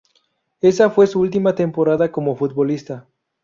Esa fue su última temporada como futbolista.